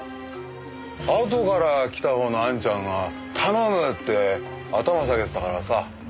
あとから来た方のあんちゃんが頼む！って頭下げてたからさ。